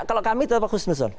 kalau kami tetap khusus nusron